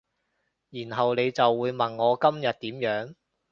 然後你就會問我今日點樣